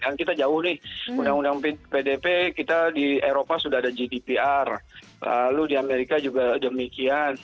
dan kita jauh nih undang undang pdp kita di eropa sudah ada gdpr lalu di amerika juga demikian